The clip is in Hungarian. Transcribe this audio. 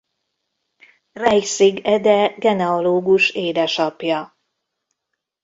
Reiszig Ede genealógus édesapja.